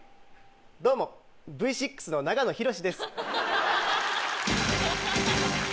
どうもＶ６の長野博です。